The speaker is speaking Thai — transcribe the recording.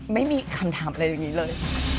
ไม่มีคำถามอะไรอย่างนี้เลย